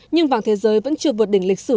nhưng vàng thế giới vẫn chưa vượt đỉnh lịch sử